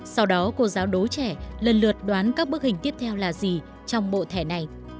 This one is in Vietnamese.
sau đó cô giáo đối trẻ lần lượt đoán các bức hình tiếp theo là gì trong bộ thẻ này